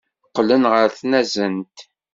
Qqlen ɣer tnazent.